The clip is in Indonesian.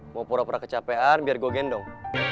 mau pura pura kecapean biar gue gendong